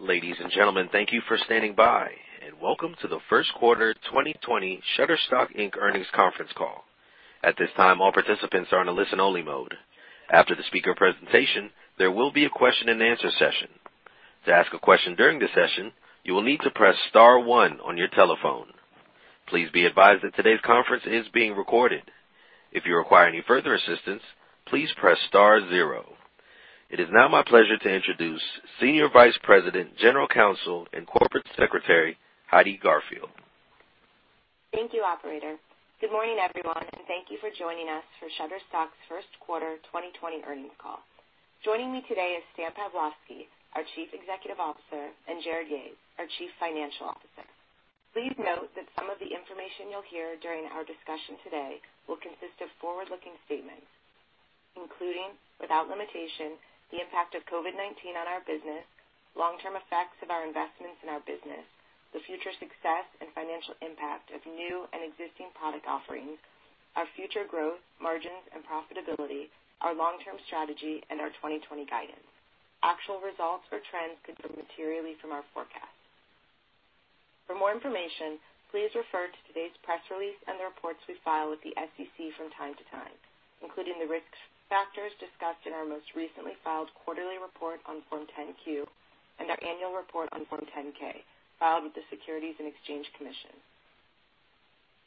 Ladies and gentlemen, thank you for standing by, and welcome to the Q1 2020 Shutterstock Inc. earnings conference call. At this time, all participants are in a listen-only mode. After the speaker presentation, there will be a question-and-answer session. To ask a question during the session, you will need to press star one on your telephone. Please be advised that today's conference is being recorded. If you require any further assistance, please press star zero. It is now my pleasure to introduce Senior Vice President, General Counsel, and Corporate Secretary, Heidi Garfield. Thank you, operator. Good morning, everyone, and thank you for joining us for Shutterstock's Q1 2020 earnings call. Joining me today is Stan Pavlovsky, our Chief Executive Officer, and Jarrod Yahes, our Chief Financial Officer. Please note that some of the information you'll hear during our discussion today will consist of forward-looking statements, including, without limitation, the impact of COVID on our business, long-term effects of our investments in our business, the future success and financial impact of new and existing product offerings, our future growth, margins and profitability, our long-term strategy, and our 2020 guidance. Actual results or trends could differ materially from our forecasts. For more information, please refer to today's press release and the reports we file with the SEC from time to time, including the risk factors discussed in our most recently filed quarterly report on Form 10-Q, and our annual report on Form 10-K, filed with the Securities and Exchange Commission.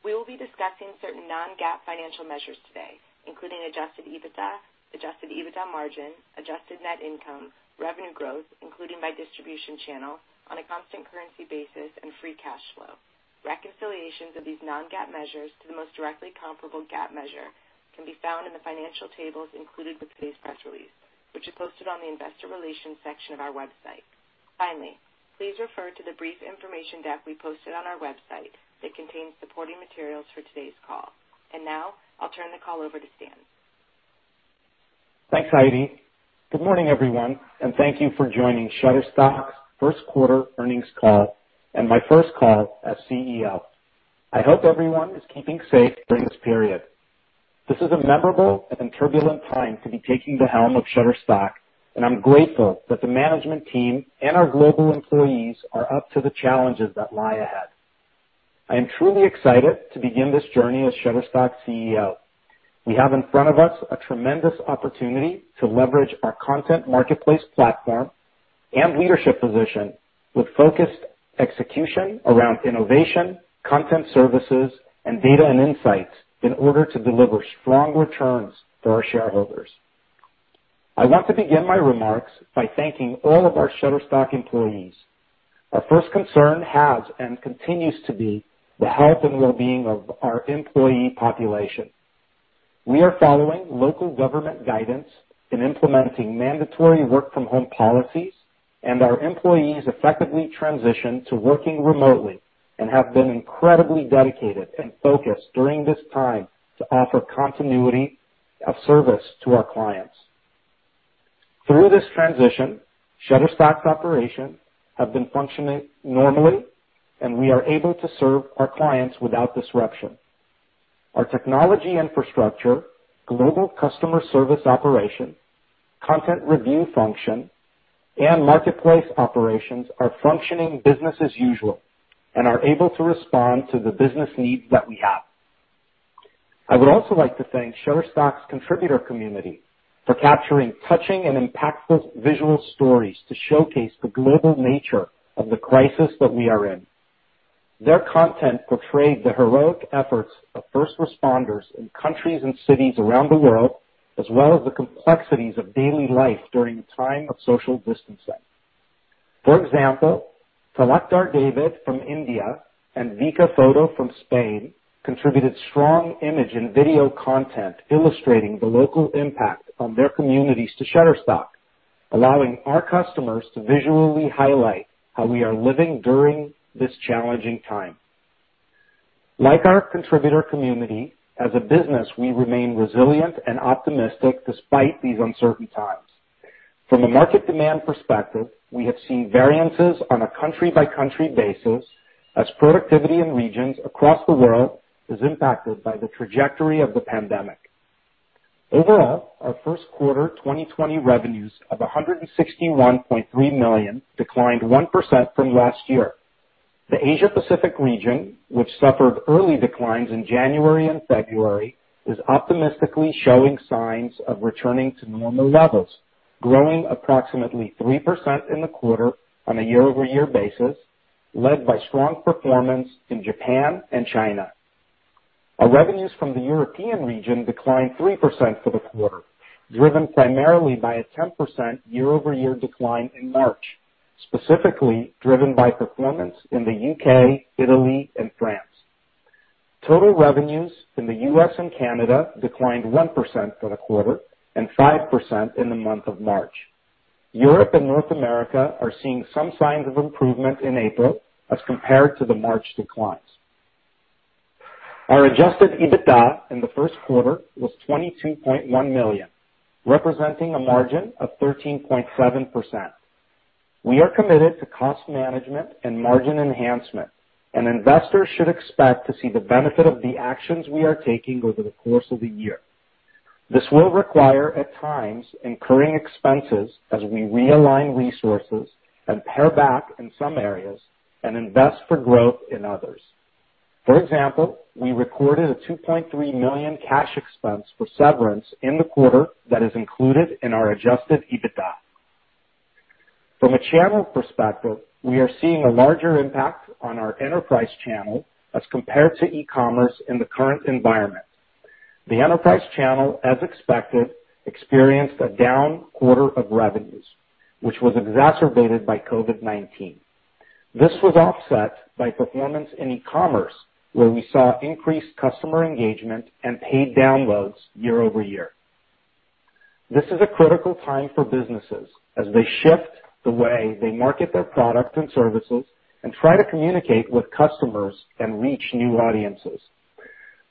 We will be discussing certain non-GAAP financial measures today, including adjusted EBITDA, adjusted EBITDA margin, adjusted net income, revenue growth, including by distribution channel on a constant currency basis and free cash flow. Reconciliations of these non-GAAP measures to the most directly comparable GAAP measure can be found in the financial tables included with today's press release, which is posted on the investor relations section of our website. Finally, please refer to the brief information deck we posted on our website that contains supporting materials for today's call. Now I'll turn the call over to Stan. Thanks, Heidi. Good morning, everyone, and thank you for joining Shutterstock's Q1 earnings call and my first call as CEO. I hope everyone is keeping safe during this period. This is a memorable and turbulent time to be taking the helm of Shutterstock, and I'm grateful that the management team and our global employees are up to the challenges that lie ahead. I am truly excited to begin this journey as Shutterstock CEO. We have in front of us a tremendous opportunity to leverage our content marketplace platform and leadership position with focused execution around innovation, content services, and data and insights in order to deliver strong returns for our shareholders. I want to begin my remarks by thanking all of our Shutterstock employees. Our first concern has and continues to be the health and well-being of our employee population. We are following local government guidance in implementing mandatory work from home policies, and our employees effectively transition to working remotely and have been incredibly dedicated and focused during this time to offer continuity of service to our clients. Through this transition, Shutterstock's operations have been functioning normally, and we are able to serve our clients without disruption. Our technology infrastructure, global customer service operation, content review function, and marketplace operations are functioning business as usual and are able to respond to the business needs that we have. I would also like to thank Shutterstock's contributor community for capturing touching and impactful visual stories to showcase the global nature of the crisis that we are in. Their content portrayed the heroic efforts of first responders in countries and cities around the world, as well as the complexities of daily life during a time of social distancing. For example, Talat Art David from India and Vika Photo from Spain contributed strong image and video content illustrating the local impact on their communities to Shutterstock, allowing our customers to visually highlight how we are living during this challenging time. Like our contributor community, as a business, we remain resilient and optimistic despite these uncertain times. From a market demand perspective, we have seen variances on a country-by-country basis as productivity in regions across the world is impacted by the trajectory of the pandemic. Overall, our Q1 2020 revenues of $161.3 million declined 1% from last year. The Asia Pacific region, which suffered early declines in January and February, is optimistically showing signs of returning to normal levels, growing approximately 3% in the quarter on a year-over-year basis, led by strong performance in Japan and China. Our revenues from the European region declined 3% for the quarter, driven primarily by a 10% year-over-year decline in March, specifically driven by performance in the U.K., Italy and France. Total revenues in the U.S. and Canada declined 1% for the quarter and 5% in the month of March. Europe and North America are seeing some signs of improvement in April as compared to the March declines. Our adjusted EBITDA in Q1 was $22.1 million, representing a margin of 13.7%. We are committed to cost management and margin enhancement, investors should expect to see the benefit of the actions we are taking over the course of the year. This will require at times incurring expenses as we realign resources and pare back in some areas and invest for growth in others. For example, we recorded a $2.3 million cash expense for severance in the quarter that is included in our adjusted EBITDA. From a channel perspective, we are seeing a larger impact on our enterprise channel as compared to e-commerce in the current environment. The enterprise channel, as expected, experienced a down quarter of revenues, which was exacerbated by COVID-19. This was offset by performance in e-commerce, where we saw increased customer engagement and paid downloads year-over-year. This is a critical time for businesses as they shift the way they market their products and services and try to communicate with customers and reach new audiences.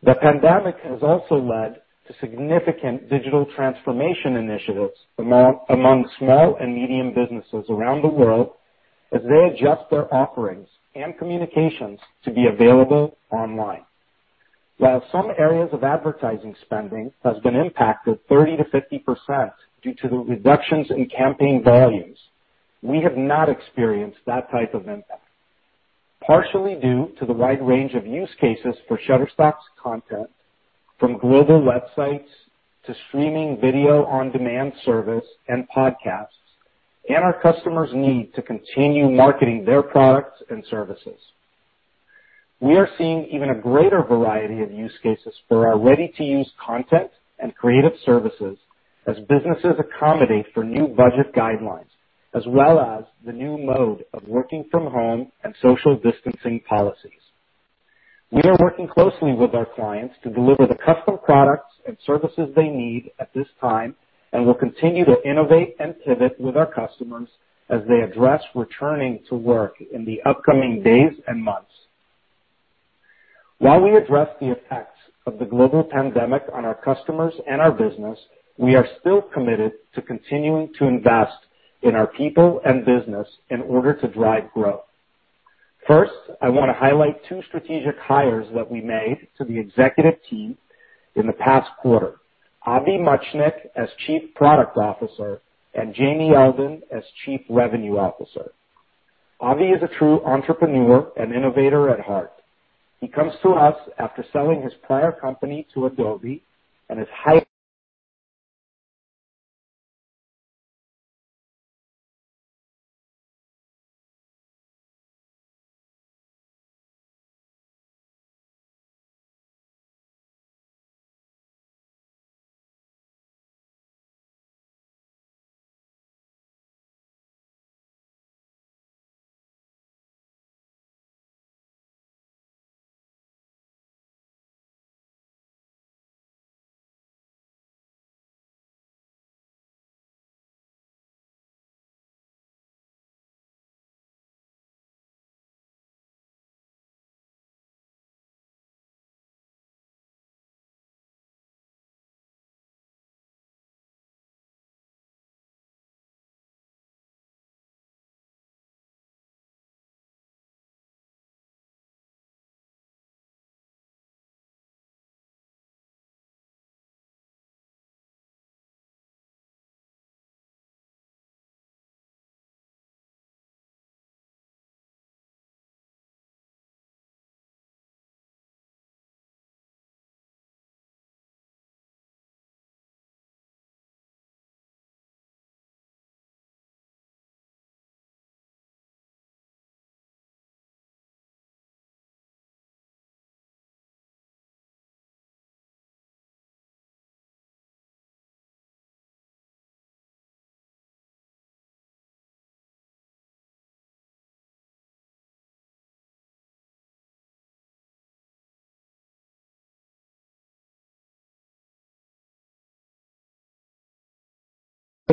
The pandemic has also led to significant digital transformation initiatives among small and medium businesses around the world as they adjust their offerings and communications to be available online. While some areas of advertising spending has been impacted 30%-50% due to the reductions in campaign volumes, we have not experienced that type of impact. Partially due to the wide range of use cases for Shutterstock's content, from global websites to streaming video on-demand service and podcasts, and our customers' need to continue marketing their products and services. We are seeing even a greater variety of use cases for our ready-to-use content and creative services as businesses accommodate for new budget guidelines, as well as the new mode of working from home and social distancing policies. We are working closely with our clients to deliver the custom products and services they need at this time, and will continue to innovate and pivot with our customers as they address returning to work in the upcoming days and months. While we address the effects of the global pandemic on our customers and our business, we are still committed to continuing to invest in our people and business in order to drive growth. First, I want to highlight two strategic hires that we made to the executive team in the past quarter. Avi Muchnick as Chief Product Officer and Jamie Elden as Chief Revenue Officer. Avi is a true entrepreneur and innovator at heart. He comes to us after selling his prior company to Adobe and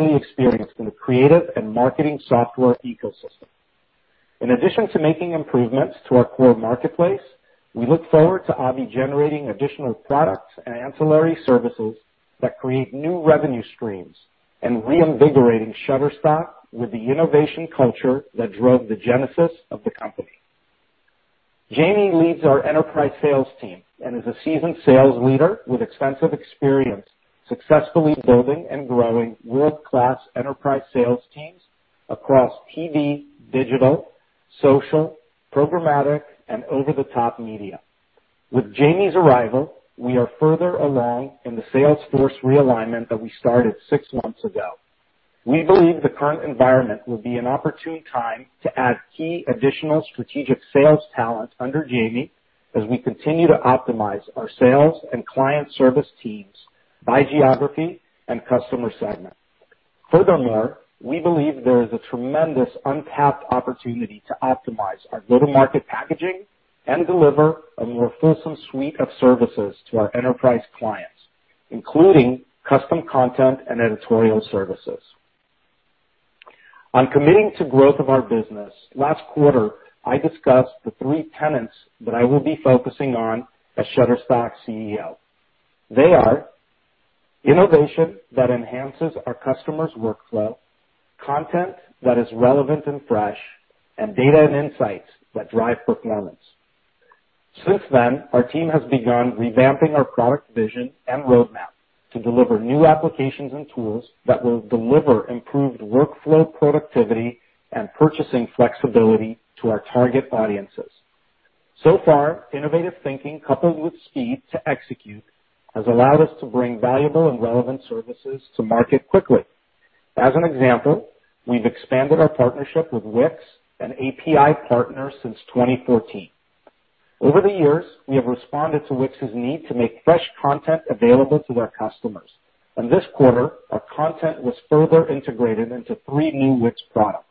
his experience in the creative and marketing software ecosystem. In addition to making improvements to our core marketplace, we look forward to Avi generating additional products and ancillary services that create new revenue streams, and reinvigorating Shutterstock with the innovation culture that drove the genesis of the company. Jamie leads our enterprise sales team and is a seasoned sales leader with extensive experience successfully building and growing world-class enterprise sales teams across TV, digital, social, programmatic, and over-the-top media. With Jamie's arrival, we are further along in the sales force realignment that we started six months ago. We believe the current environment will be an opportune time to add key additional strategic sales talent under Jamie, as we continue to optimize our sales and client service teams by geography and customer segment. Furthermore, we believe there is a tremendous untapped opportunity to optimize our go-to-market packaging and deliver a more fulsome suite of services to our enterprise clients, including custom content and editorial services. On committing to growth of our business, last quarter, I discussed the three tenets that I will be focusing on as Shutterstock's CEO. Innovation that enhances our customers' workflow, content that is relevant and fresh, and data and insights that drive performance. Our team has begun revamping our product vision and roadmap to deliver new applications and tools that will deliver improved workflow productivity and purchasing flexibility to our target audiences. Innovative thinking, coupled with speed to execute, has allowed us to bring valuable and relevant services to market quickly. As an example, we've expanded our partnership with Wix, an API partner since 2014. Over the years, we have responded to Wix's need to make fresh content available to their customers. This quarter, our content was further integrated into three new Wix products.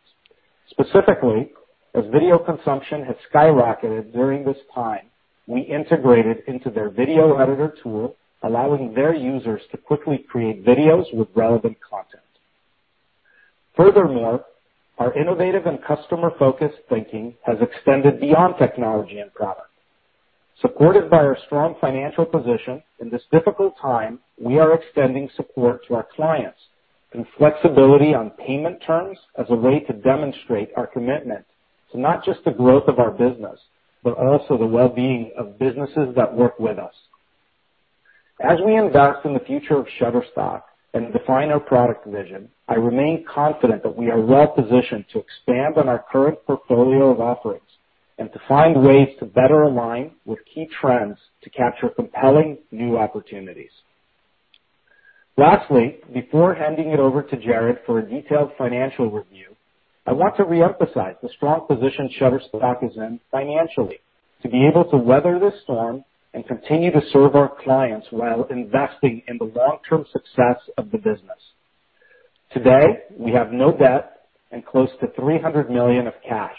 Specifically, as video consumption has skyrocketed during this time, we integrated into their video editor tool, allowing their users to quickly create videos with relevant content. Furthermore, our innovative and customer-focused thinking has extended beyond technology and product. Supported by our strong financial position, in this difficult time, we are extending support to our clients and flexibility on payment terms as a way to demonstrate our commitment to not just the growth of our business, but also the well-being of businesses that work with us. As we invest in the future of Shutterstock and define our product vision, I remain confident that we are well positioned to expand on our current portfolio of offerings and to find ways to better align with key trends to capture compelling new opportunities. Lastly, before handing it over to Jarrod for a detailed financial review, I want to reemphasize the strong position Shutterstock is in financially, to be able to weather this storm and continue to serve our clients while investing in the long-term success of the business. Today, we have no debt and close to $300 million of cash.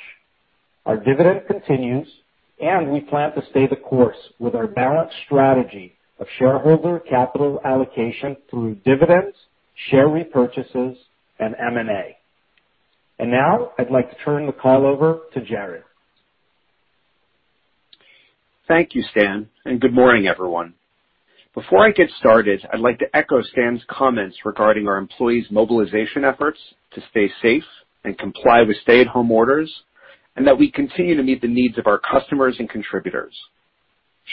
We plan to stay the course with our balanced strategy of shareholder capital allocation through dividends, share repurchases, and M&A. Now I'd like to turn the call over to Jarrod. Thank you, Stan, and good morning, everyone. Before I get started, I'd like to echo Stan's comments regarding our employees' mobilization efforts to stay safe and comply with stay-at-home orders, and that we continue to meet the needs of our customers and contributors.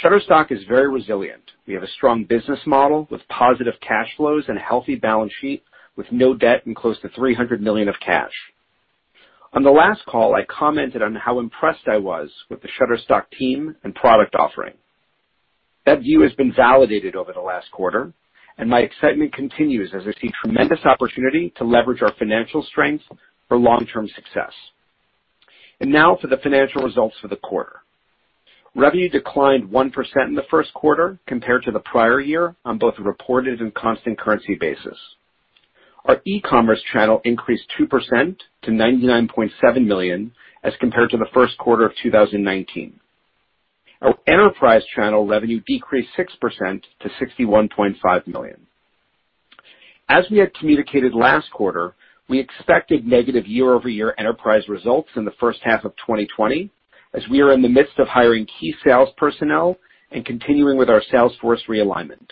Shutterstock is very resilient. We have a strong business model with positive cash flows and a healthy balance sheet with no debt and close to $300 million of cash. On the last call, I commented on how impressed I was with the Shutterstock team and product offering. That view has been validated over the last quarter, and my excitement continues as I see tremendous opportunity to leverage our financial strength for long-term success. Now for the financial results for the quarter. Revenue declined 1% in the first quarter compared to the prior year on both a reported and constant currency basis. Our e-commerce channel increased 2% to $99.7 million as compared to Q1 of 2019. Our enterprise channel revenue decreased 6% to $61.5 million. As we had communicated last quarter, we expected negative year-over-year enterprise results in the H1 of 2020, as we are in the midst of hiring key sales personnel and continuing with our sales force realignment.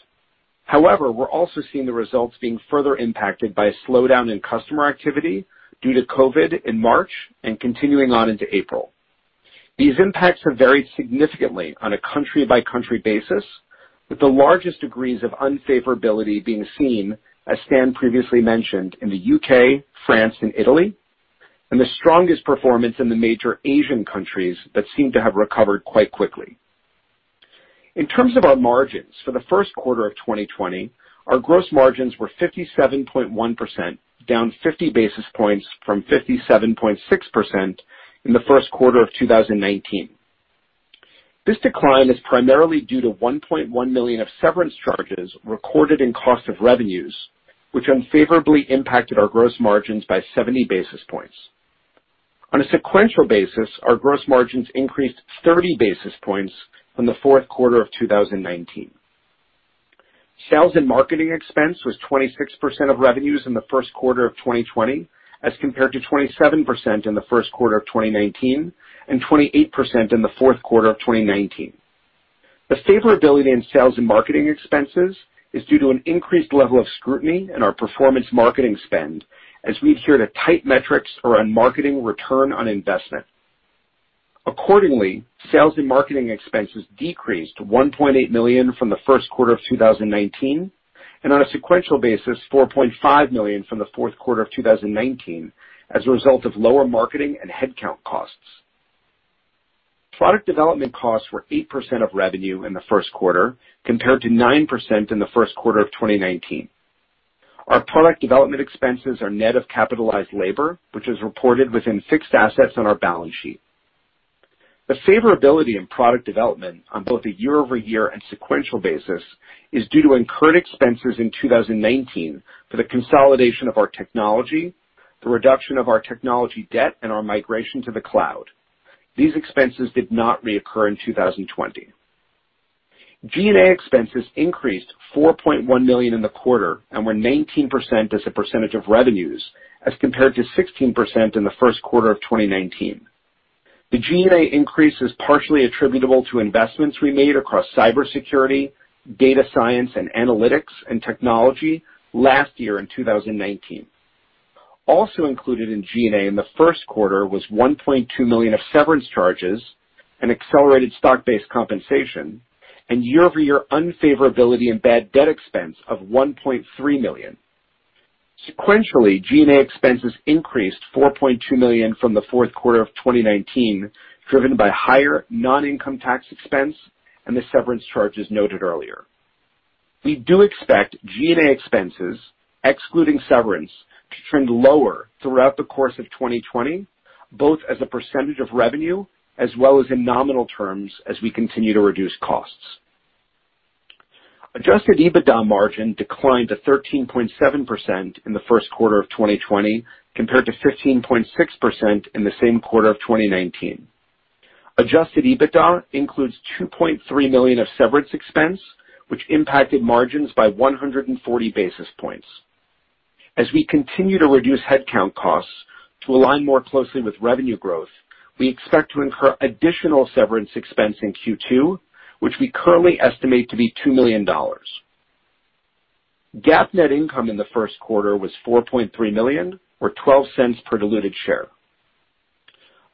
However, we're also seeing the results being further impacted by a slowdown in customer activity due to COVID in March and continuing on into April. These impacts have varied significantly on a country-by-country basis, with the largest degrees of unfavorability being seen, as Stan previously mentioned, in the U.K., France, and Italy, and the strongest performance in the major Asian countries that seem to have recovered quite quickly. In terms of our margins, for Q1 of 2020, our gross margins were 57.1%, down 50 basis points from 57.6% in Q1 of 2019. This decline is primarily due to $1.1 million of severance charges recorded in cost of revenues, which unfavorably impacted our gross margins by 70 basis points. On a sequential basis, our gross margins increased 30 basis points from Q4 of 2019. Sales and marketing expense was 26% of revenues in Q1 of 2020 as compared to 27% in Q1 of 2019 and 28% in Q4 of 2019. The favorability in sales and marketing expenses is due to an increased level of scrutiny in our performance marketing spend as we adhere to tight metrics around marketing return on investment. Accordingly, sales and marketing expenses decreased to $1.8 million from Q1 of 2019, and on a sequential basis, $4.5 million from Q4 of 2019 as a result of lower marketing and headcount costs. Product development costs were 8% of revenue in Q1, compared to 9% in the first quarter of 2019. Our product development expenses are net of capitalized labor, which is reported within fixed assets on our balance sheet. The favorability in product development on both a year-over-year and sequential basis is due to incurred expenses in 2019 for the consolidation of our technology, the reduction of our technology debt, and our migration to the cloud. These expenses did not reoccur in 2020. G&A expenses increased $4.1 million in the quarter and were 19% as a percentage of revenues as compared to 16% in Q1 of 2019. The G&A increase is partially attributable to investments we made across cybersecurity, data science and analytics, and technology last year in 2019. Also included in G&A in Q1 was $1.2 million of severance charges and accelerated stock-based compensation, and year-over-year unfavorability in bad debt expense of $1.3 million. Sequentially, G&A expenses increased $4.2 million from the fourth quarter of 2019, driven by higher non-income tax expense and the severance charges noted earlier. We do expect G&A expenses, excluding severance, to trend lower throughout the course of 2020, both as a percentage of revenue as well as in nominal terms as we continue to reduce costs. Adjusted EBITDA margin declined to 13.7% in Q1 of 2020 compared to 15.6% in the same quarter of 2019. Adjusted EBITDA includes $2.3 million of severance expense, which impacted margins by 140 basis points. As we continue to reduce headcount costs to align more closely with revenue growth, we expect to incur additional severance expense in Q2, which we currently estimate to be $2 million. GAAP net income in Q1 was $4.3 million, or $0.12 per diluted share.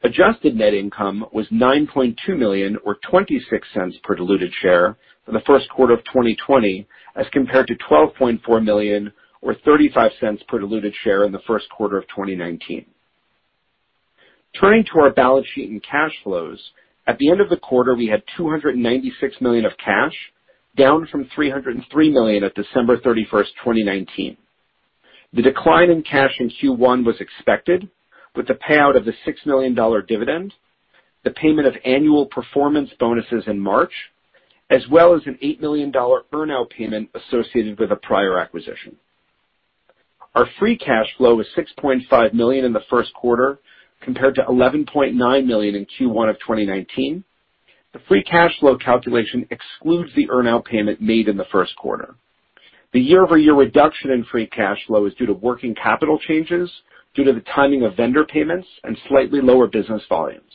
Adjusted net income was $9.2 million, or $0.26 per diluted share in Q1 of 2020 as compared to $12.4 million, or $0.35 per diluted share in Q1 of 2019. Turning to our balance sheet and cash flows, at the end of the quarter, we had $296 million of cash, down from $303 million at December 31st, 2019. The decline in cash in Q1 was expected with the payout of the $6 million dividend, the payment of annual performance bonuses in March, as well as an $8 million earn-out payment associated with a prior acquisition. Our free cash flow was $6.5 million in Q1 compared to $11.9 million in Q1 of 2019. The free cash flow calculation excludes the earn-out payment made in the first quarter. The year-over-year reduction in free cash flow is due to working capital changes due to the timing of vendor payments and slightly lower business volumes.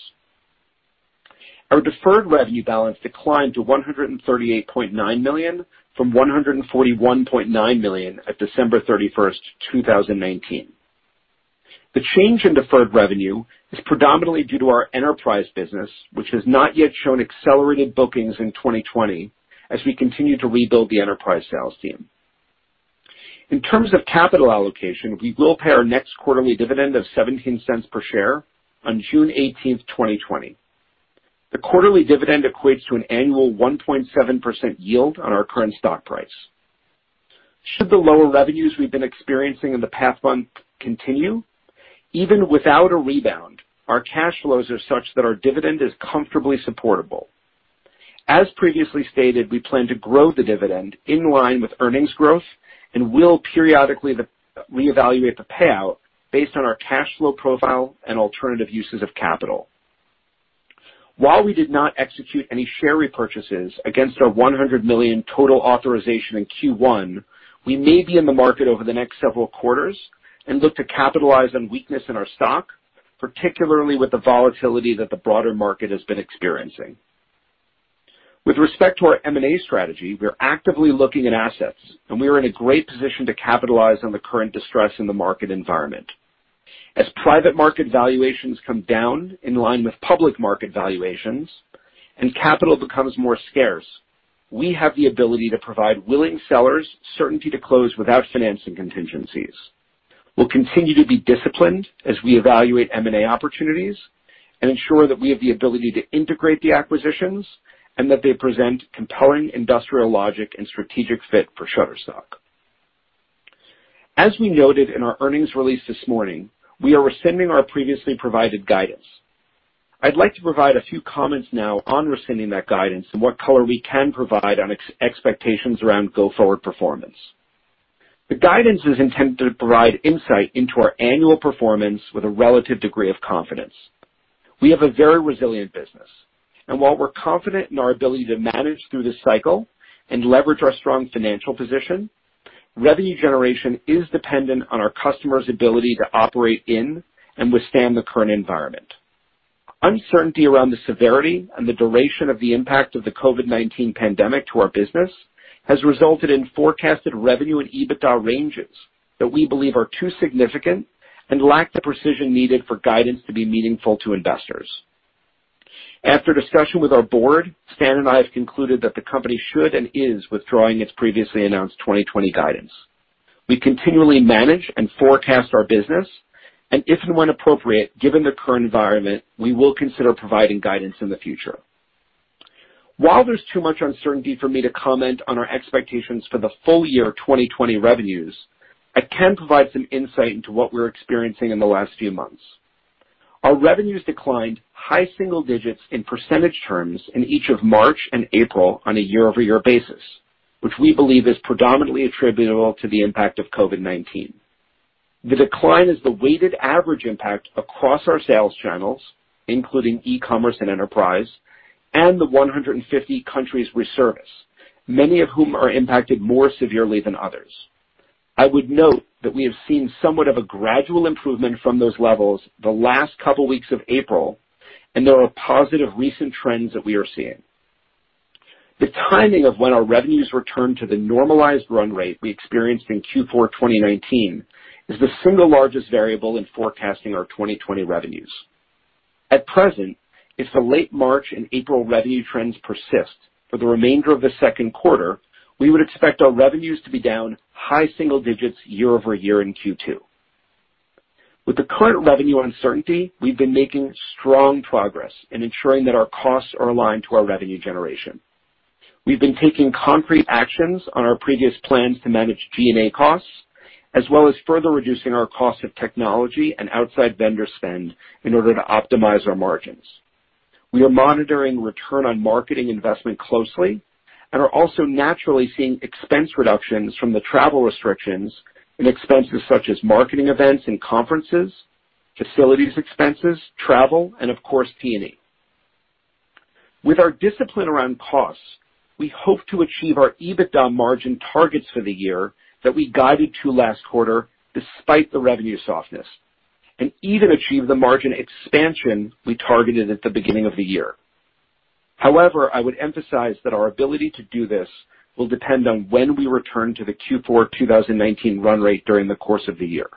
Our deferred revenue balance declined to $138.9 million from $141.9 million at December 31st, 2019. The change in deferred revenue is predominantly due to our enterprise business, which has not yet shown accelerated bookings in 2020 as we continue to rebuild the enterprise sales team. In terms of capital allocation, we will pay our next quarterly dividend of $0.17 per share on June 18th, 2020. The quarterly dividend equates to an annual 1.7% yield on our current stock price. Should the lower revenues we've been experiencing in the past month continue, even without a rebound, our cash flows are such that our dividend is comfortably supportable. As previously stated, we plan to grow the dividend in line with earnings growth and will periodically reevaluate the payout based on our cash flow profile and alternative uses of capital. While we did not execute any share repurchases against our $100 million total authorization in Q1, we may be in the market over the next several quarters and look to capitalize on weakness in our stock, particularly with the volatility that the broader market has been experiencing. With respect to our M&A strategy, we're actively looking at assets, and we are in a great position to capitalize on the current distress in the market environment. As private market valuations come down in line with public market valuations and capital becomes more scarce, we have the ability to provide willing sellers certainty to close without financing contingencies. We'll continue to be disciplined as we evaluate M&A opportunities and ensure that we have the ability to integrate the acquisitions and that they present compelling industrial logic and strategic fit for Shutterstock. As we noted in our earnings release this morning, we are rescinding our previously provided guidance. I'd like to provide a few comments now on rescinding that guidance and what color we can provide on expectations around go-forward performance. The guidance is intended to provide insight into our annual performance with a relative degree of confidence. We have a very resilient business, while we're confident in our ability to manage through this cycle and leverage our strong financial position, revenue generation is dependent on our customers' ability to operate in and withstand the current environment. Uncertainty around the severity and the duration of the impact of the COVID-19 pandemic to our business has resulted in forecasted revenue and EBITDA ranges that we believe are too significant and lack the precision needed for guidance to be meaningful to investors. After discussion with our board, Stan and I have concluded that the company should and is withdrawing its previously announced 2020 guidance. We continually manage and forecast our business, if and when appropriate, given the current environment, we will consider providing guidance in the future. While there's too much uncertainty for me to comment on our expectations for the full year 2020 revenues, I can provide some insight into what we're experiencing in the last few months. Our revenues declined high single digits in percentage terms in each of March and April on a year-over-year basis, which we believe is predominantly attributable to the impact of COVID-19. The decline is the weighted average impact across our sales channels, including e-commerce and enterprise, and the 150 countries we service, many of whom are impacted more severely than others. I would note that we have seen somewhat of a gradual improvement from those levels the last couple weeks of April, and there are positive recent trends that we are seeing. The timing of when our revenues return to the normalized run rate we experienced in Q4 2019 is the single largest variable in forecasting our 2020 revenues. At present, if the late March and April revenue trends persist for the remainder of the second quarter, we would expect our revenues to be down high single digits year-over-year in Q2. With the current revenue uncertainty, we've been making strong progress in ensuring that our costs are aligned to our revenue generation. We've been taking concrete actions on our previous plans to manage G&A costs, as well as further reducing our cost of technology and outside vendor spend in order to optimize our margins. We are monitoring return on marketing investment closely and are also naturally seeing expense reductions from the travel restrictions in expenses such as marketing events and conferences, facilities expenses, travel, and of course, T&E. With our discipline around costs, we hope to achieve our EBITDA margin targets for the year that we guided to last quarter despite the revenue softness, and even achieve the margin expansion we targeted at the beginning of the year. However, I would emphasize that our ability to do this will depend on when we return to the Q4 2019 run rate during the course of the year.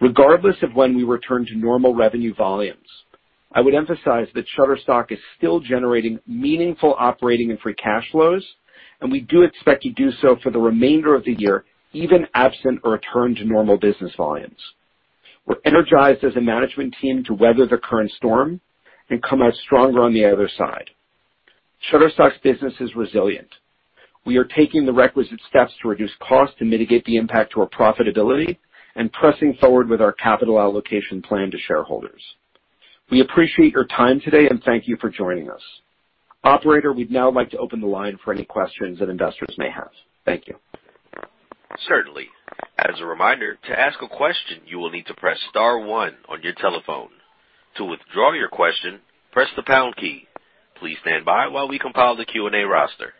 Regardless of when we return to normal revenue volumes, I would emphasize that Shutterstock is still generating meaningful operating and free cash flows, and we do expect to do so for the remainder of the year, even absent a return to normal business volumes. We're energized as a management team to weather the current storm and come out stronger on the other side. Shutterstock's business is resilient. We are taking the requisite steps to reduce costs to mitigate the impact to our profitability and pressing forward with our capital allocation plan to shareholders. We appreciate your time today, and thank you for joining us. Operator, we'd now like to open the line for any questions that investors may have. Thank you. Certainly. As a reminder, to ask a question, you will need to press star one on your telephone. To withdraw your question, press the pound key. Please stand by while we compile the Q&A roster.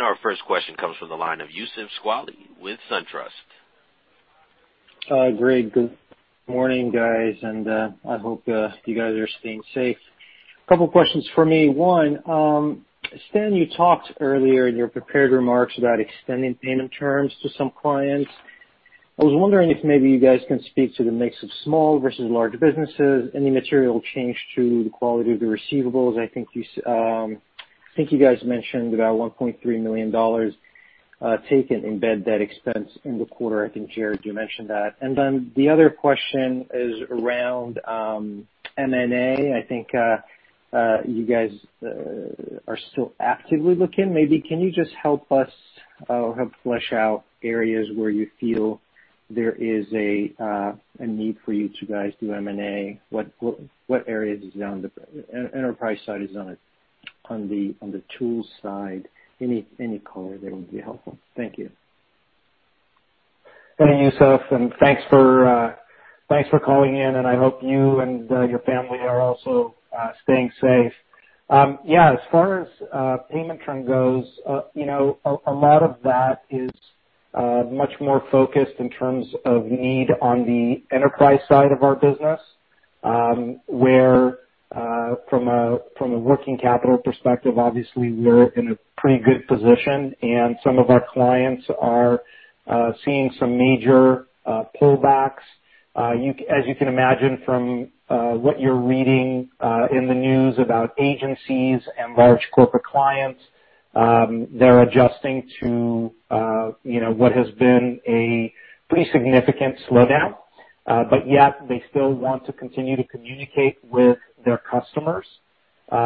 Our first question comes from the line of Youssef Squali with SunTrust. Great. Good morning, guys. I hope you guys are staying safe. Couple questions for me. One, Stan, you talked earlier in your prepared remarks about extending payment terms to some clients. I was wondering if maybe you guys can speak to the mix of small versus large businesses, any material change to the quality of the receivables. I think you guys mentioned about $1.3 million taken in bad debt expense in the quarter. I think, Jarrod, you mentioned that. The other question is around M&A. I think you guys are still actively looking. Maybe can you just help us or help flesh out areas where you feel there is a need for you to guys do M&A? What area is it on the enterprise side? Is it on the tools side? Any color there would be helpful. Thank you. Hey, Youssef, and thanks for calling in, and I hope you and your family are also staying safe. Yeah, as far as payment term goes, a lot of that is much more focused in terms of need on the enterprise side of our business, where, from a working capital perspective, obviously we're in a pretty good position and some of our clients are seeing some major pullbacks. As you can imagine from what you're reading in the news about agencies and large corporate clients, they're adjusting to what has been a pretty significant slowdown, but yet they still want to continue to communicate with their customers. We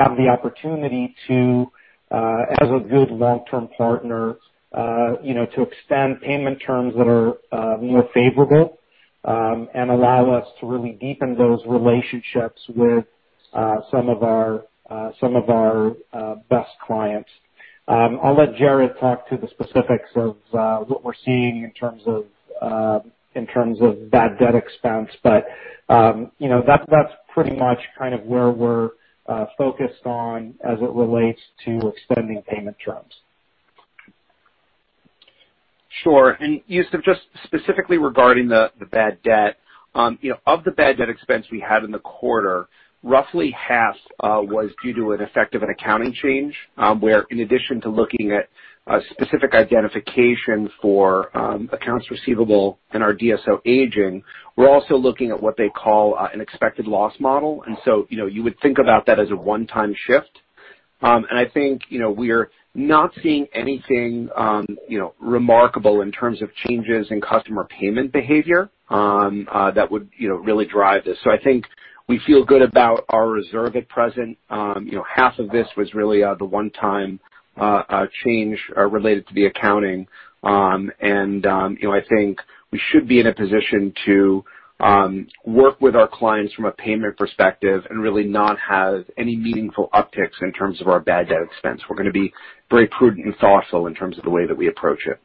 have the opportunity to, as a good long-term partner, to extend payment terms that are more favorable, and allow us to really deepen those relationships with some of our best clients. I'll let Jarrod talk to the specifics of what we're seeing in terms of bad debt expense. That's pretty much kind of where we're focused on as it relates to extending payment terms. Sure. Youssef, just specifically regarding the bad debt. Of the bad debt expense we had in the quarter, roughly half was due to an effect of an accounting change, where in addition to looking at specific identification for accounts receivable and our DSO aging, we're also looking at what they call an expected loss model. You would think about that as a one-time shift. I think we're not seeing anything remarkable in terms of changes in customer payment behavior that would really drive this. I think we feel good about our reserve at present. Half of this was really the one-time change related to the accounting. I think we should be in a position to work with our clients from a payment perspective and really not have any meaningful upticks in terms of our bad debt expense. We're going to be very prudent and thoughtful in terms of the way that we approach it.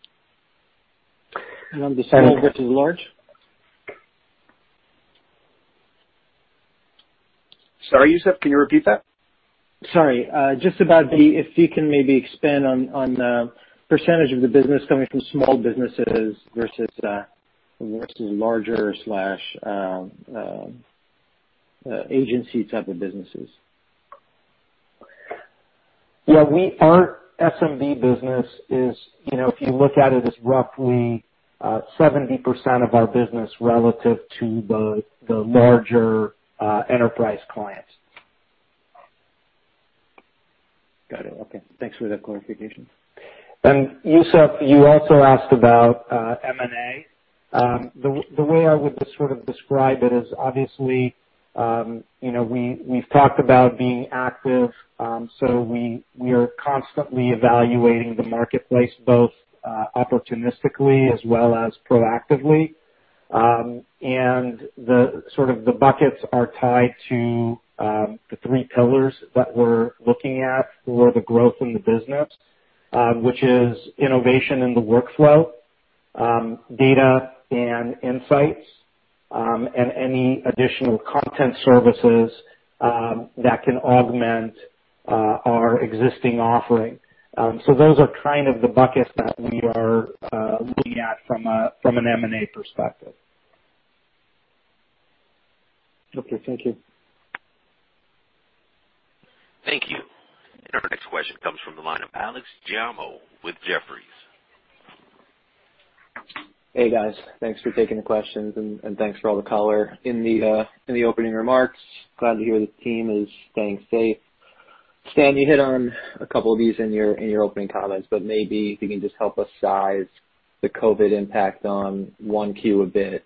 On the small versus large? Sorry, Youssef, can you repeat that? Sorry. Just about if you can maybe expand on the percentage of the business coming from small businesses versus larger/agency type of businesses? Yeah. Our SMB business is, if you look at it, is roughly 70% of our business relative to the larger enterprise clients. Got it. Okay. Thanks for that clarification. Youssef, you also asked about M&A. The way I would just sort of describe it is, obviously, we've talked about being active. We are constantly evaluating the marketplace both opportunistically as well as proactively. The buckets are tied to the three pillars that we're looking at for the growth in the business, which is innovation in the workflow, data and insights, and any additional content services that can augment our existing offering. Those are kind of the buckets that we are looking at from an M&A perspective. Okay. Thank you. Thank you. Our next question comes from the line of Alex Giaimo with Jefferies. Hey, guys. Thanks for taking the questions and thanks for all the color in the opening remarks. Glad to hear the team is staying safe. Stan, you hit on a couple of these in your opening comments, but maybe if you can just help us size the COVID impact on 1Q a bit.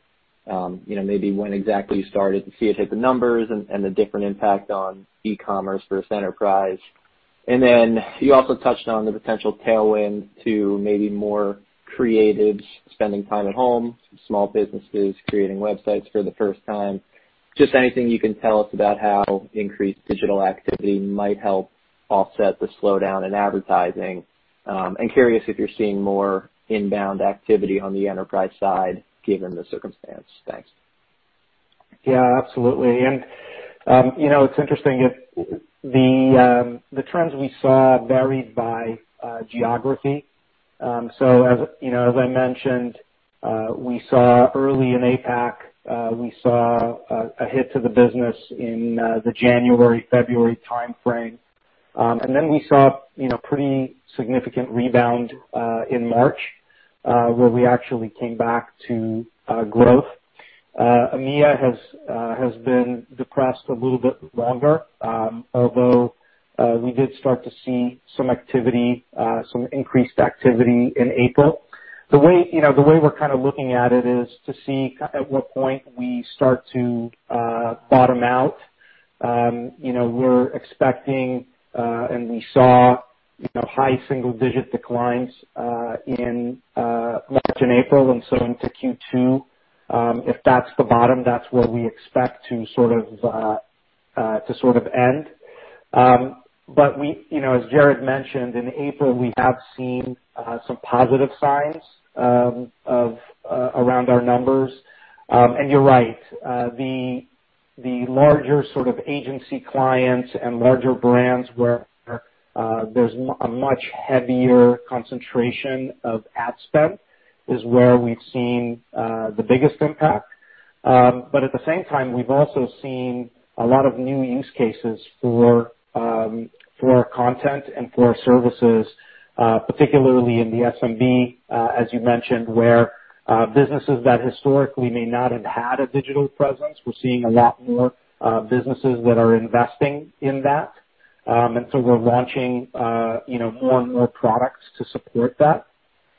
Maybe when exactly you started to see it hit the numbers and the different impact on e-commerce versus enterprise. You also touched on the potential tailwind to maybe more creatives spending time at home, small businesses creating websites for the first time. Just anything you can tell us about how increased digital activity might help offset the slowdown in advertising. Curious if you're seeing more inbound activity on the enterprise side given the circumstance. Thanks. Yeah, absolutely. It's interesting, the trends we saw varied by geography. As I mentioned, early in APAC, we saw a hit to the business in the January-February timeframe. We saw pretty significant rebound in March, where we actually came back to growth. EMEA has been depressed a little bit longer. We did start to see some increased activity in April. The way we're kind of looking at it is to see at what point we start to bottom out. We're expecting, and we saw high single-digit declines in March and April, into Q2. If that's the bottom, that's where we expect to sort of end. As Jarrod mentioned, in April, we have seen some positive signs around our numbers. You're right, the larger sort of agency clients and larger brands where there's a much heavier concentration of ad spend is where we've seen the biggest impact. At the same time, we've also seen a lot of new use cases for our content and for our services, particularly in the SMB, as you mentioned, where businesses that historically may not have had a digital presence, we're seeing a lot more businesses that are investing in that. We're launching more and more products to support that.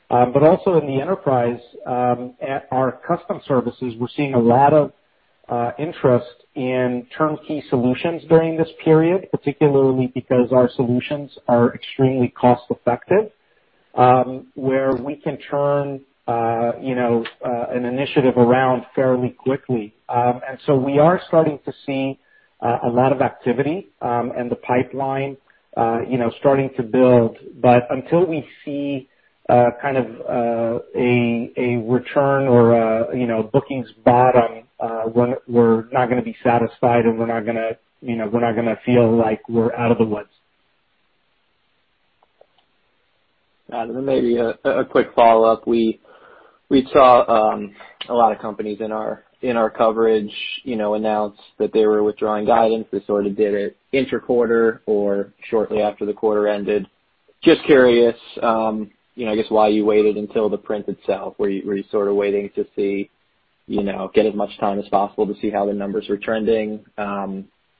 Also in the enterprise, at our custom services, we're seeing a lot of interest in turnkey solutions during this period, particularly because our solutions are extremely cost-effective, where we can turn an initiative around fairly quickly. We are starting to see a lot of activity, and the pipeline starting to build. Until we see kind of a return or a bookings bottom, we're not going to be satisfied and we're not going to feel like we're out of the woods. Got it. Maybe a quick follow-up. We saw a lot of companies in our coverage announce that they were withdrawing guidance. They sort of did it inter-quarter or shortly after the quarter ended. Just curious, I guess, why you waited until the print itself. Were you sort of waiting to get as much time as possible to see how the numbers were trending?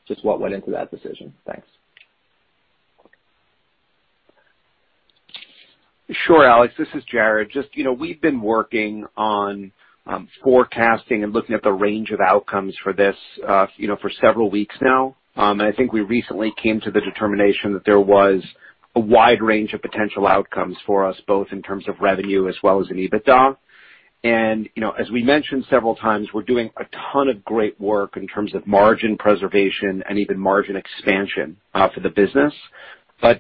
Just what went into that decision? Thanks. Sure, Alex. This is Jarrod. We've been working on forecasting and looking at the range of outcomes for this for several weeks now. I think we recently came to the determination that there was a wide range of potential outcomes for us, both in terms of revenue as well as in EBITDA. As we mentioned several times, we're doing a ton of great work in terms of margin preservation and even margin expansion for the business.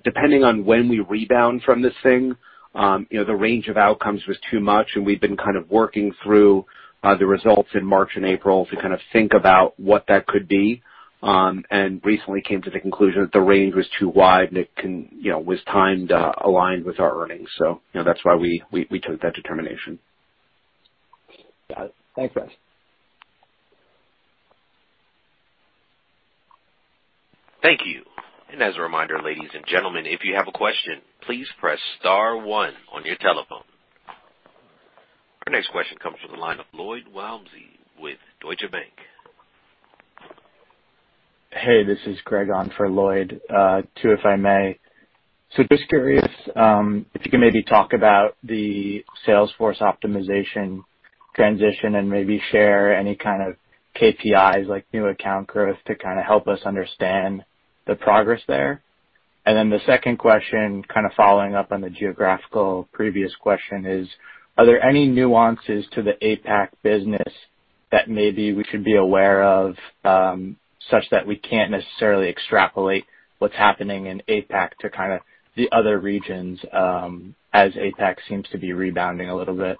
Depending on when we rebound from this thing, the range of outcomes was too much, and we've been kind of working through the results in March and April to kind of think about what that could be. Recently came to the conclusion that the range was too wide and it was timed, aligned with our earnings. That's why we took that determination. Got it. Thanks, Jarrod. Thank you. As a reminder, ladies and gentlemen, if you have a question, please press star one on your telephone. Our next question comes from the line of Lloyd Walmsley with Deutsche Bank. Hey, this is Greg on for Lloyd. Two, if I may. Just curious, if you can maybe talk about the salesforce optimization transition and maybe share any kind of KPIs like new account growth to kind of help us understand the progress there. The second question, kind of following up on the geographical previous question is, are there any nuances to the APAC business that maybe we should be aware of, such that we can't necessarily extrapolate what's happening in APAC to kind of the other regions, as APAC seems to be rebounding a little bit?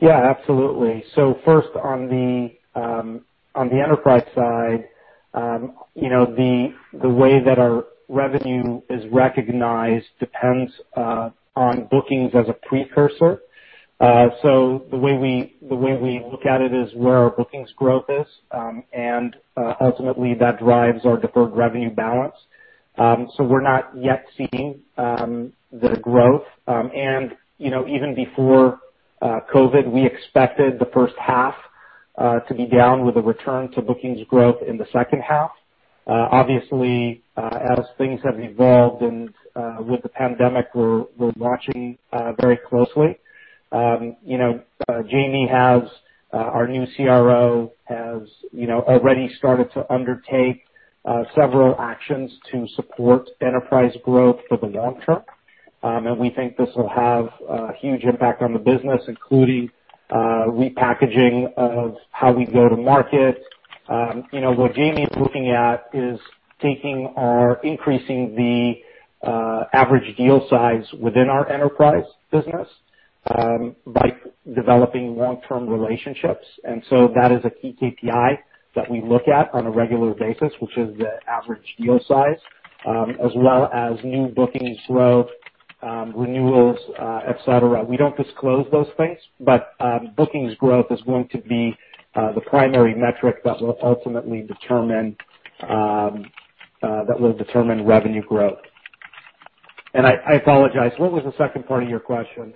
Yeah, absolutely. First on the enterprise side, the way that our revenue is recognized depends on bookings as a precursor. The way we look at it is where our bookings growth is. Ultimately that drives our deferred revenue balance. We're not yet seeing the growth. Even before COVID, we expected the first half to be down with a return to bookings growth in H2. Obviously, as things have evolved and with the pandemic, we're watching very closely. Jamie our new CRO has already started to undertake several actions to support enterprise growth for the long term. We think this will have a huge impact on the business, including repackaging of how we go to market. What Jamie is looking at is increasing the average deal size within our enterprise business by developing long-term relationships. That is a key KPI that we look at on a regular basis, which is the average deal size, as well as new bookings growth, renewals, et cetera. We don't disclose those things, but bookings growth is going to be the primary metric that will determine revenue growth. I apologize, what was the second part of your question?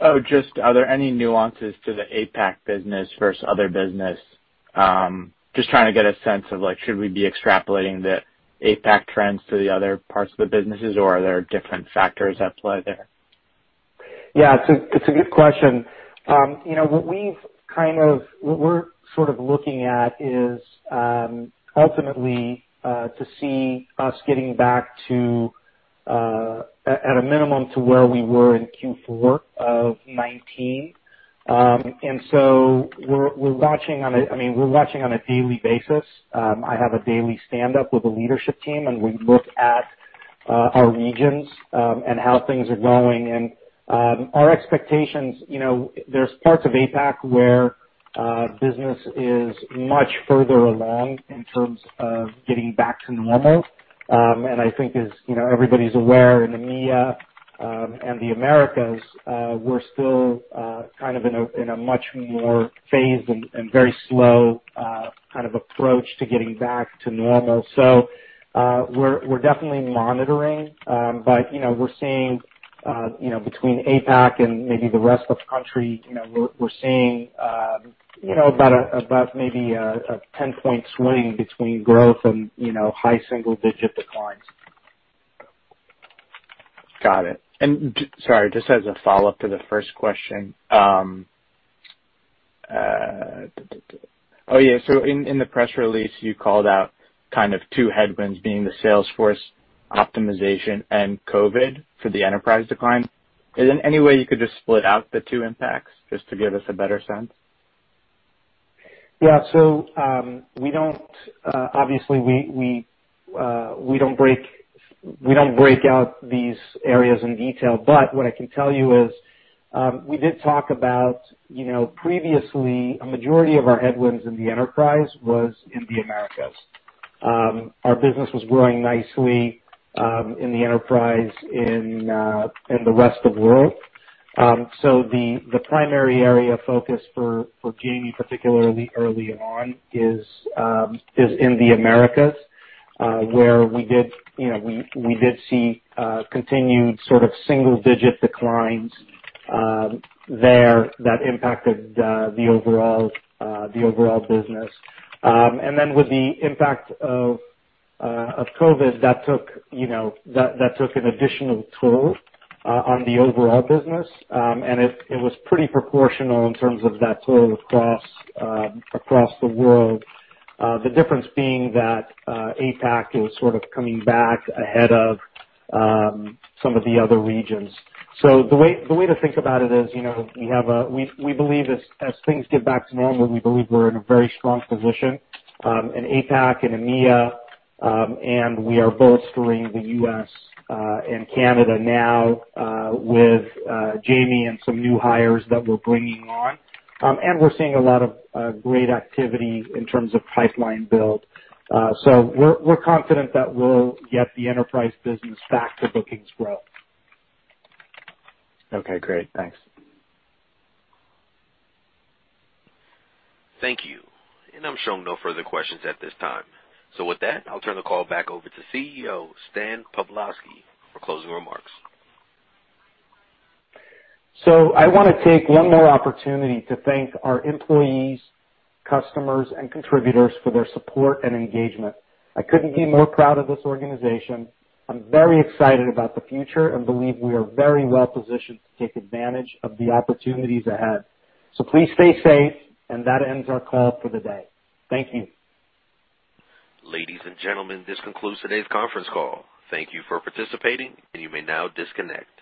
Oh, just are there any nuances to the APAC business versus other business? Trying to get a sense of should we be extrapolating the APAC trends to the other parts of the businesses or are there different factors at play there? Yeah. It's a good question. What we're sort of looking at is, ultimately, to see us getting back to at a minimum to where we were in Q4 of 2019. We're watching on a daily basis. I have a daily standup with the leadership team, and we look at our regions, and how things are going and our expectations. There's parts of APAC where business is much further along in terms of getting back to normal. I think as everybody's aware in EMEA and the Americas, we're still kind of in a much more phased and very slow kind of approach to getting back to normal. We're definitely monitoring. We're seeing between APAC and maybe the rest of the country, we're seeing about maybe a 10-point swing between growth and high single-digit declines. Got it. Sorry, just as a follow-up to the first question. Oh, yeah. In the press release, you called out kind of two headwinds being the salesforce optimization and COVID for the enterprise decline. Is there any way you could just split out the two impacts just to give us a better sense? Yeah. Obviously we don't break out these areas in detail. What I can tell you is, we did talk about previously, a majority of our headwinds in the enterprise was in the Americas. Our business was growing nicely in the enterprise in the rest of world. The primary area of focus for Jamie, particularly early on is in the Americas, where we did see continued sort of single-digit declines there that impacted the overall business. With the impact of COVID, that took an additional toll on the overall business. It was pretty proportional in terms of that toll across the world. The difference being that APAC is sort of coming back ahead of some of the other regions. The way to think about it is, we believe as things get back to normal, we believe we're in a very strong position, in APAC and EMEA, and we are bolstering the U.S. and Canada now with Jamie and some new hires that we're bringing on. We're seeing a lot of great activity in terms of pipeline build. We're confident that we'll get the enterprise business back to bookings growth. Okay, great. Thanks. Thank you. I'm showing no further questions at this time. With that, I'll turn the call back over to CEO Stan Pavlovsky for closing remarks. I want to take one more opportunity to thank our employees, customers and contributors for their support and engagement. I couldn't be more proud of this organization. I'm very excited about the future and believe we are very well positioned to take advantage of the opportunities ahead. Please stay safe, and that ends our call for the day. Thank you. Ladies and gentlemen, this concludes today's conference call. Thank you for participating, and you may now disconnect.